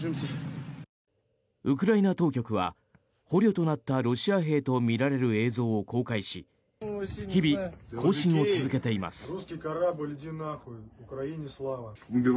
ウクライナ当局は捕虜となったロシア兵とみられる映像を公開し日々、更新を続けています。